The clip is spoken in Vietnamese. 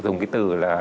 dùng cái từ là